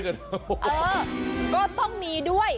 เออก็ต้องมีด้วย